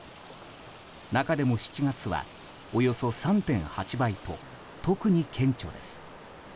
中でも７月は、およそ３．８倍と特に顕著です。